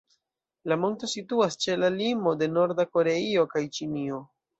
La monto situas ĉe la limo de Norda Koreio kaj Ĉinio.